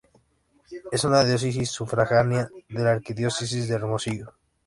Es una diócesis sufragánea de la arquidiócesis de Hermosillo.